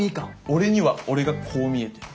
俺には俺がこう見えてる。